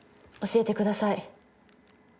教えてください。